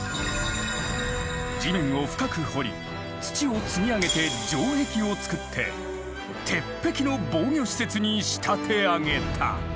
地面を深く掘り土を積み上げて城壁を造って鉄壁の防御施設に仕立て上げた。